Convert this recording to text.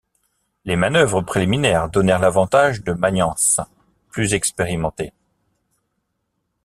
Les manœuvres préliminaires donnèrent l'avantage de Magnence, plus expérimenté.